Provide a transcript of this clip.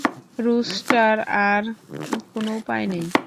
Rooster, আর কোনো উপায় নেই।